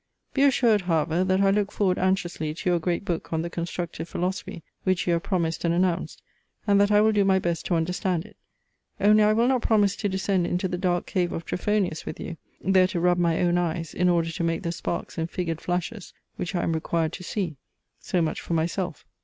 "Be assured, however, that I look forward anxiously to your great book on the CONSTRUCTIVE PHILOSOPHY, which you have promised and announced: and that I will do my best to understand it. Only I will not promise to descend into the dark cave of Trophonius with you, there to rub my own eyes, in order to make the sparks and figured flashes, which I am required to see. "So much for myself.